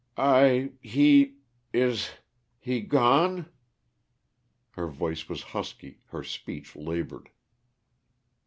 "I he is he gone?" Her voice was husky, her speech labored.